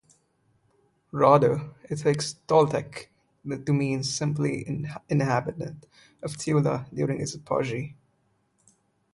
Rather, it takes "Toltec" to mean simply an inhabitant of Tula during its apogee.